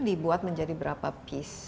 dibuat menjadi berapa pis